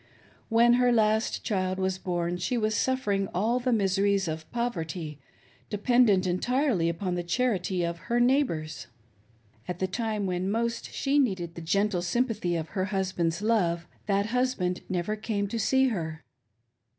When her last child was born she was suffering all the miser ies of poverty, dependent entirely upon the charity of her neighbors. At the time when most she needed the gentle sympathy of her husband's love that husband never came to see her.